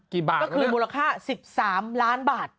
บาทก็คือมูลค่า๑๓ล้านบาท